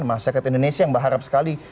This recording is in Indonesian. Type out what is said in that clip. masyarakat indonesia yang berharap sekali